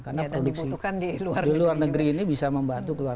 karena produksi di luar negeri ini bisa membantu keluar